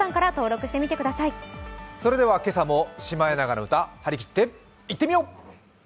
それでは今朝も「シマエナガの歌」張り切っていってみよう！